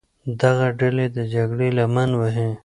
دغه ډلې د جګړې لمن وهي.